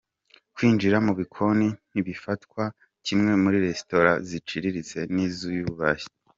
Kwinjira mu bikoni ntibifatwa kimwe muri Restaurant ziciriritse n’izuyubashye.